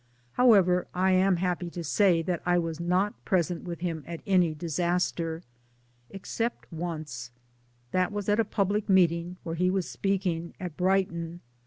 However I am happy to say that I was not present with him at any disaster. Except once. That was at a public meeting; when he was speaking, at Brighton.